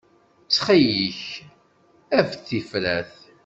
Ttxil-k, af-d tifrat.